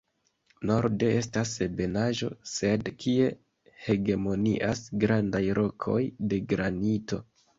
Norde estas ebenaĵo sed kie hegemonias grandaj rokoj de granito.